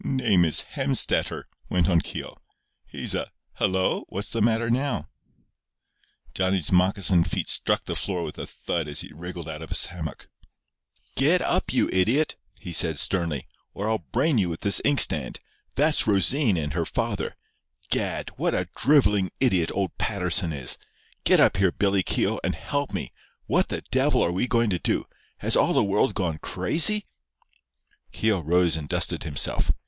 "Name is Hemstetter," went on Keogh. "He's a— Hello! what's the matter now?" Johnny's moccasined feet struck the floor with a thud as he wriggled out of his hammock. "Get up, you idiot," he said, sternly, "or I'll brain you with this inkstand. That's Rosine and her father. Gad! what a drivelling idiot old Patterson is! Get up, here, Billy Keogh, and help me. What the devil are we going to do? Has all the world gone crazy?" Keogh rose and dusted himself.